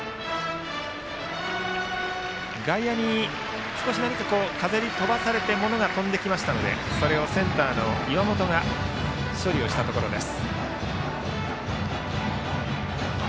外野に、風に飛ばされて何か物が飛んできましたのでそれをセンターの岩本が処理をしたところです。